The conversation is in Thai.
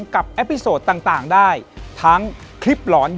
ขอบคุณครับ